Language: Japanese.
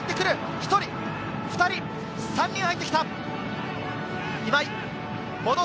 １人、２人、３人、入ってきた。